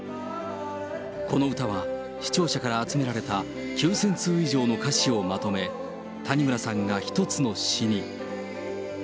この歌は、視聴者から集められた９０００通以上の歌詞をまとめ、谷村さんが１つの誌に。